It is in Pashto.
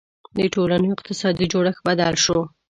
• د ټولنو اقتصادي جوړښت بدل شو.